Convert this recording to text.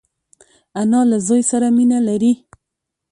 انا له زوی سره مینه لري